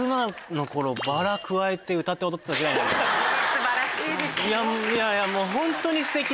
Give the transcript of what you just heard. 素晴らしいです。